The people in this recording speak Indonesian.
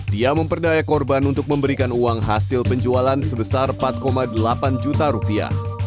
dia memperdaya korban untuk memberikan uang hasil penjualan sebesar empat delapan juta rupiah